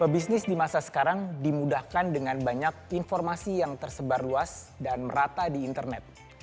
pebisnis di masa sekarang dimudahkan dengan banyak informasi yang tersebar luas dan merata di internet